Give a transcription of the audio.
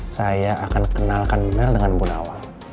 saya akan kenalkan male dengan bu nawang